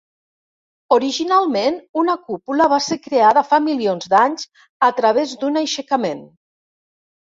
Originalment una cúpula va ser creada fa milions d'anys a través d'un aixecament.